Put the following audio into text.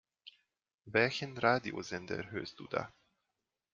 Welchen Radiosender hörst du da?